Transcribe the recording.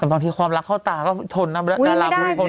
แต่บางทีความรักเข้าตาก็ทนนะดาราคน